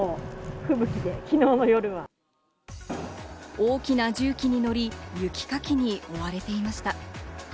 大きな重機に乗り、雪かきに追われていました。